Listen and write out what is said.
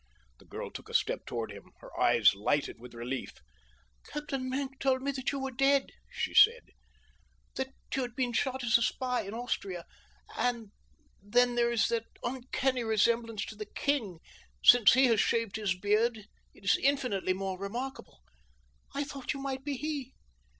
The girl took a step toward him. Her eyes lighted with relief. "Captain Maenck told me that you were dead," she said, "that you had been shot as a spy in Austria, and then there is that uncanny resemblance to the king—since he has shaved his beard it is infinitely more remarkable. I thought you might be he.